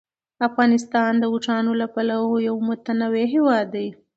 افغانستان د اوښانو له پلوه یو متنوع هېواد دی.